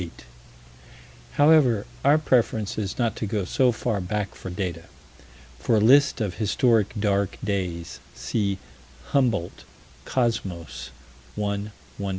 However, our preference is not to go so far back for data. For a list of historic "dark days," see Humboldt, Cosmos, 1 120.